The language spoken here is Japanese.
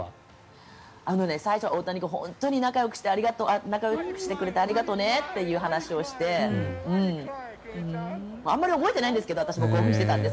最初、大谷君本当に仲よくしてくれてありがとねっていう話をしてあんまり覚えてないんですけど私も興奮していたので。